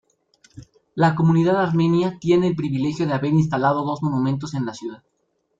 La comunidad armenia tiene el privilegio de haber instalado dos monumentos en la ciudad.